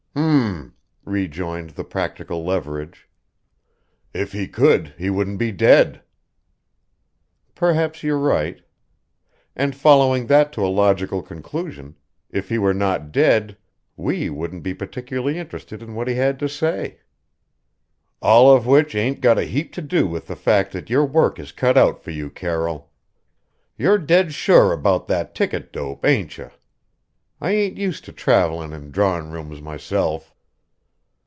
"H m!" rejoined the practical Leverage. "If he could, he wouldn't be dead." "Perhaps you're right. And following that to a logical conclusion, if he were not dead we wouldn't be particularly interested in what he had to say." "All of which ain't got a heap to do with the fact that your work is cut out for you, Carroll. You're dead sure about that ticket dope, ain't you? I ain't used to traveling in drawing rooms myself."